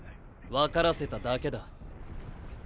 わからせただけだ。